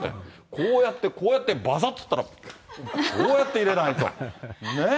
こうやってこうやって、ばさっていったら、こうやって入れないと。